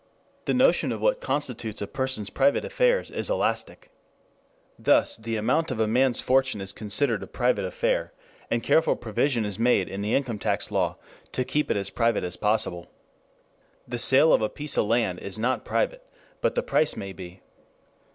The notion of what constitutes a person's private affairs is elastic. Thus the amount of a man's fortune is considered a private affair, and careful provision is made in the income tax law to keep it as private as possible. The sale of a piece of land is not private, but the price may be.